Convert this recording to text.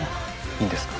いいんですか？